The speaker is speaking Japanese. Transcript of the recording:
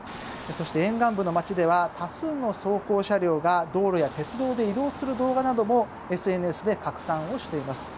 そして沿岸部の街では多数の装甲車両が道路や鉄道で移動する動画などもＳＮＳで拡散をしています。